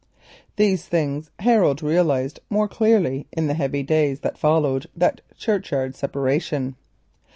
These things Harold realised most clearly in the heavy days which followed that churchyard separation.